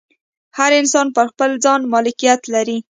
هر انسان پر خپل ځان مالکیت لري.